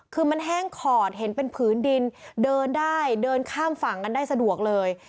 คือมันแห้งขอดเห็นเป็นผืนดินเดินได้เดินข้ามฝั่งกันได้สะดวกเลย